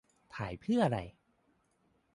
- ถ่ายเพื่ออะไร